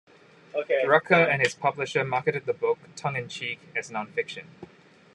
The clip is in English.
Rucker and his publisher marketed the book, tongue in cheek, as non-fiction.